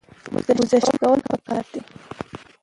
ګذشت کول پکار دي